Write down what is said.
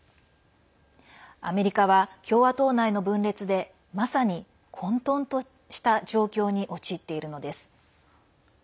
アメリカは共和党内の分裂でまさに混とんとした状況に陥っているのです。